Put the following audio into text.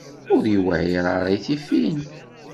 Ur yewɛiṛ ara i tifin.